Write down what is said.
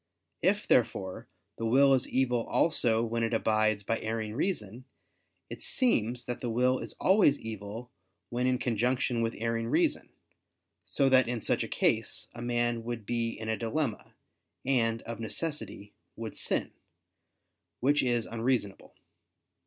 If, therefore, the will is evil also when it abides by erring reason, it seems that the will is always evil when in conjunction with erring reason: so that in such a case a man would be in a dilemma, and, of necessity, would sin: which is unreasonable.